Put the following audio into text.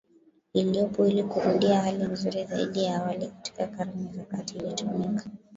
iliyopo ili kurudia hali nzuri zaidi ya awali Katika Karne za Kati lilitumika